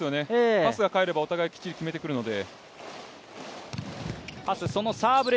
パスが返ればお互いきっちり決めてくるので。